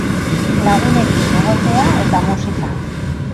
Lagunekin egotea eta musika.